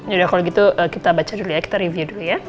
yaudah kalau gitu kita baca dulu ya kita review dulu ya